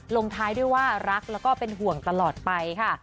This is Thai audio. ลงท้ายด้วยว่ารักแล้วก็เป็นห่วงตลอดไปค่ะ